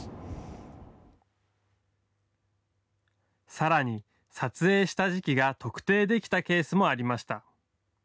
さらに、撮影した時期が特定できたケースもありました。